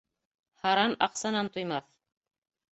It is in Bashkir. Һаран аҡсанан туймаҫ.